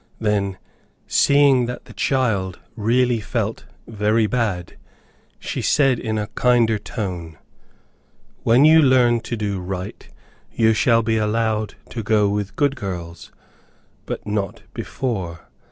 Then, seeing that the child really felt very bad, she said, in a kinder tone, "When you learn to do right, you shall be allowed to go with good girls, but not before."